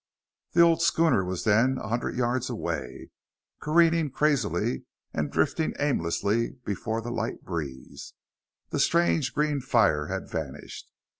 The old schooner was then a hundred yards away, careening crazily, and drifting aimlessly before the light breeze. The strange green fire had vanished.